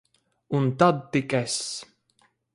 Un tad tik es.